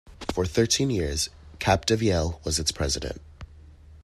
For thirteen years Capdevielle was its president.